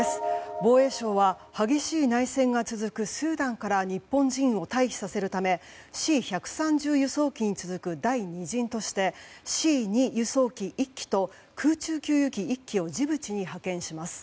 防衛省は激しい内戦が続くスーダンから日本人を退避させるためＣ１３０輸送機に続く第２陣としてＣ２輸送機１機と空中給油機１機をジブチに派遣します。